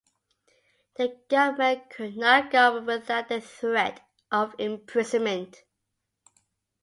The government could not govern without the threat of imprisonment.